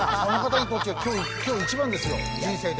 あの方にとってはきょう一番ですよ、人生で。